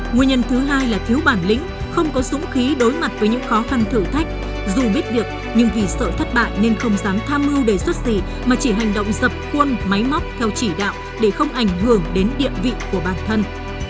nguyên nhân thứ hai là thiếu bản lĩnh không có dũng khí đối mặt với những khó khăn thử thách dù biết việc nhưng vì sợ thất bại nên không dám tham mưu đề xuất gì mà chỉ hành động dập khuôn máy móc theo chỉ đạo để không ảnh hưởng đến địa vị của bản thân